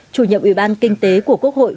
chủ nhậm ủy ban kinh tế của quốc hội